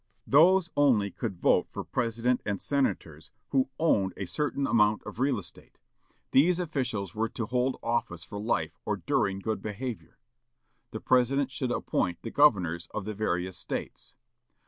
Those only could vote for President and Senators who owned a certain amount of real estate. These officials were to hold office for life or during good behavior. The President should appoint the Governors of the various States.